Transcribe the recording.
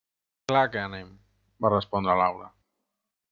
—Clar que anem –va respondre Laura–.